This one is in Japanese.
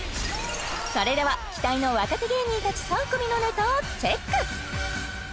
それでは期待の若手芸人たち３組のネタをチェック